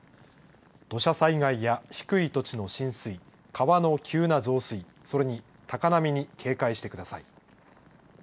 土砂災害や低い土地の浸水川の急な増水それに高波に警戒してください。